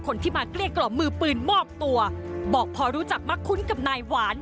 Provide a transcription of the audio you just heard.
คนที่มาเกลี้ยกล่อมมือปืนมอบตัวบอกพอรู้จักมักคุ้นกับนายหวาน